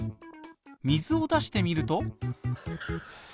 水を出してみると。